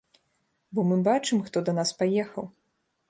Бо мы бачым, хто да нас паехаў!